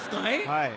はい。